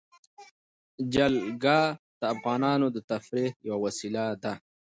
جلګه د افغانانو د تفریح یوه وسیله ده.